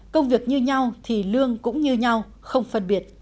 công việc như nhau thì lương cũng như tài chính